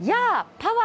パワー！